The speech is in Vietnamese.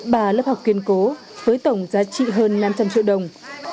ba lớp học kiên cố với tổng giá trị hơn năm trăm linh triệu đồng